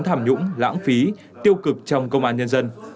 tham nhũng lãng phí tiêu cực trong công an nhân dân